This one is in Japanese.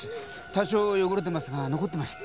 多少汚れてますが残ってました。